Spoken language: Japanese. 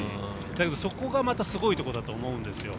だけどそこがまたすごいところだと思うんですよ。